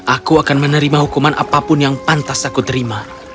aku akan menerima hukuman apapun yang pantas aku terima